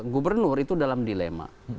gubernur itu dalam dilema